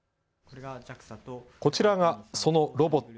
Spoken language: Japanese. こちらがそのロボット。